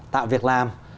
tạo việc làm